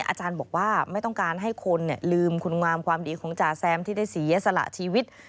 อาจารย์บอกว่าไม่ต้องการให้คนลืมคุณงามความดีของจ่าแซมที่ได้เสียสละชีวิต